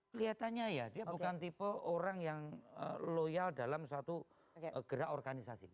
kelihatannya ya dia bukan tipe orang yang loyal dalam suatu gerak organisasi